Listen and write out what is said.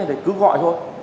thì cứ gọi thôi